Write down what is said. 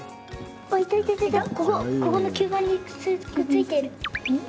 ここの吸盤にくっついてる。